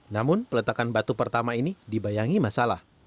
namun peletakan batu pertama ini dibayangi masalah